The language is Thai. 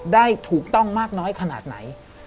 ได้ถูกต้องมากน้อยขนาดไหน